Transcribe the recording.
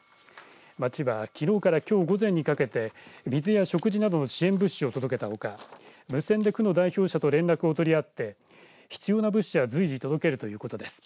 町はきのうからきょう午前にかけて水や食事などの支援物資を届けたほか無線で区の代表者と連絡を取り合って必要な物資は随時、届けるということです。